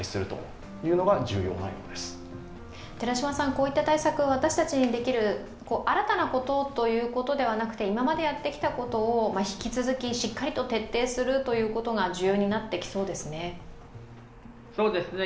こういった対策、私たちにできる新たなことということではなくて今までやってきたことを引き続きしっかりと徹底するということが重要になってきそうですね。